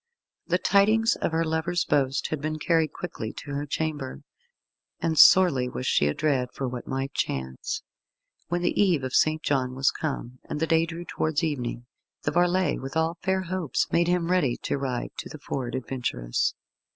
The tidings of her lover's boast had been carried quickly to her chamber, and sorely was she adread for what might chance. When the Eve of St. John was come, and the day drew towards evening, the varlet, with all fair hopes, made him ready to ride to the Ford Adventurous.